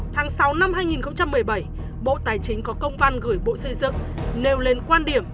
tháng sáu năm hai nghìn một mươi bảy bộ tài chính có công văn gửi bộ xây dựng nêu lên quan điểm